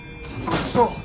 そう！